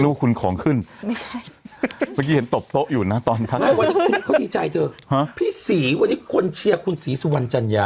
เมื่อกี้เห็นตบโต๊ะอยู่นะตอนทะเลนี่ยห้าพี่สีวันนี้คนเชียบคุณศรีสุวรรณจันยา